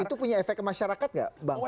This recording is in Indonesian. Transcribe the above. itu punya efek kemasyarakat nggak